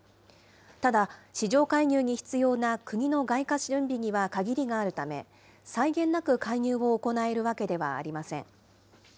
ただ、市場介入に必要な国の外貨準備には限りがあるため、際限なく介入を行えるわけではありません。